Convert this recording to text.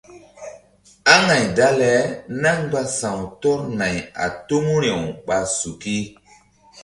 Aŋay dale náh mgba sa̧w tɔr nay a toŋuri-awɓa suki.